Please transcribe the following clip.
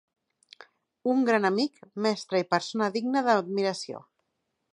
Un gran amic, mestre i persona digna d'admiració.